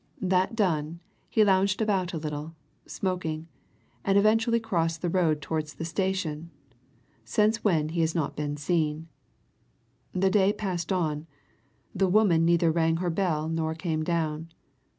That done, he lounged about a little, smoking, and eventually crossed the road towards the station since when he has not been seen. The day passed on the woman neither rang her bell nor came down.